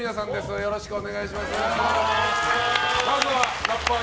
よろしくお願いします。